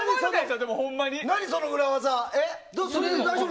何その裏技？